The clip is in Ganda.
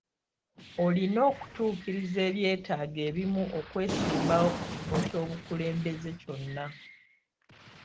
Olina okutuukiriza ebyetaago ebimu okwesimbawo ku kifo ky'obukulembeze kyonna.